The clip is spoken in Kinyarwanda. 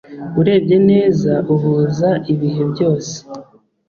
urebye neza uhuza ibihe byose